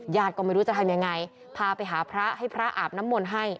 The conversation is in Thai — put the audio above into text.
ก็ไม่รู้จะทำยังไงพาไปหาพระให้พระอาบน้ำมนต์ให้